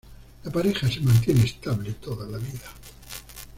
La pareja se mantiene estable toda la vida.